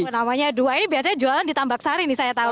namanya dua ini biasanya jualan di tambak sari nih saya tahu